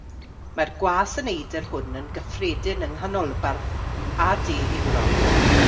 Mae'r gwas y neidr hwn yn gyffredin yng nghanolbarth a de Ewrop.